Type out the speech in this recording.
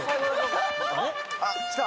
あっきた！